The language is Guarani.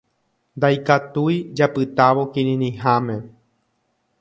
Ndaikatúi japytávo kirirĩháme.